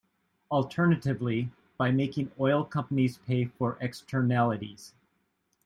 Alternatively, by making oil companies pay for externalities.